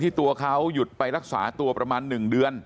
ที่ตัวเขาหยุดไปรักษาตัวประมาณหนึ่งเดือน